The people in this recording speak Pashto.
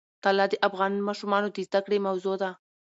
طلا د افغان ماشومانو د زده کړې موضوع ده.